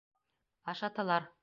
Ашаталар.